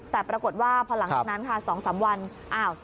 แต่ปรากฏว่าพอหลังจากนั้นค่ะสองสามวันอ้าว